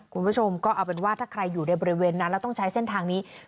คุณผู้ชมก็เอาเป็นว่าถ้าใครอยู่ในบริเวณนั้นแล้วต้องใช้เส้นทางนี้